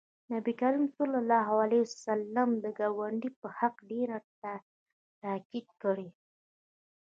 نبي کریم صلی الله علیه وسلم د ګاونډي په حق ډېر تاکید کړی